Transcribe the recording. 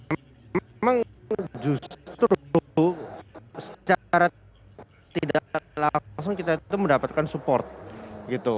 memang justru secara tidak langsung kita itu mendapatkan support gitu